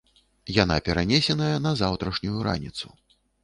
Яна перанесеная на заўтрашнюю раніцу.